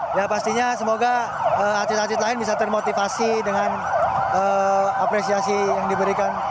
ya pastinya semoga atlet atlet lain bisa termotivasi dengan apresiasi yang diberikan